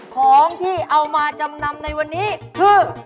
ของที่เอามาจำนำในวันนี้คือ